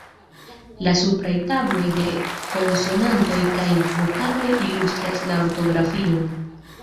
La supraj tabloj de konsonantoj kaj vokaloj ilustras la ortografion.